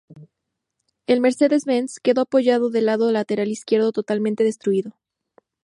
El Mercedes Benz quedó apoyado del lado lateral izquierdo totalmente destruido.